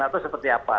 atau seperti apa